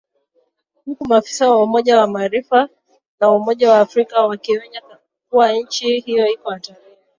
huku maafisa wa Umoja wa Mataifa na Umoja wa Afrika wakionya kuwa nchi hiyo iko hatarini